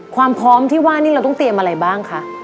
ความพร้อมที่ว่านี่เราต้องเตรียมอะไรบ้างคะ